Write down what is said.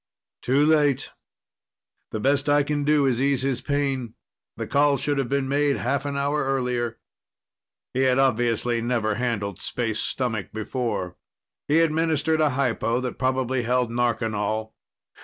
"Too late. The best I can do is ease his pain. The call should have been made half an hour earlier." He had obviously never handled space stomach before. He administered a hypo that probably held narconal.